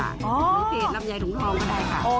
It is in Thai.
หรือเกรดลำไยถุงทองก็ได้ค่ะ